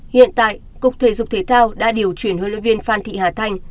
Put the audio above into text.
hiện tại cục thể dục thể thao đã điều chuyển huấn luyện viên phan thị hà thanh